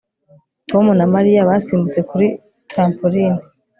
Tom na Mariya basimbutse kuri trampoline